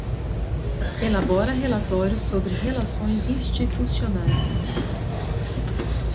Elabora relatórios sobre relações institucionais.